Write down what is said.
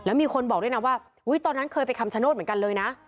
มีคนบอกด้วยนะว่าตอนนั้นเคยไปคำชโนธเหมือนกันเลยนะ